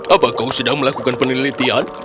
apa kau sedang melakukan penelitian